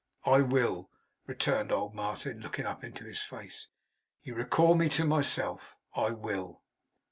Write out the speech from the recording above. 'I will,' returned old Martin, looking up into his face. 'You recall me to myself. I will.